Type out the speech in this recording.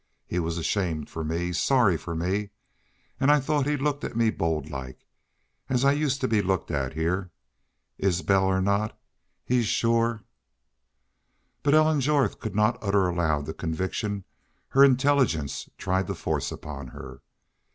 He was ashamed for me sorry for me.... And I thought he looked at me bold like, as I'm used to be looked at heah! Isbel or not, he's shore..." But Ellen Jorth could not utter aloud the conviction her intelligence tried to force upon her.